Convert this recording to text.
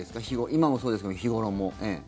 今もそうですけど、日頃も。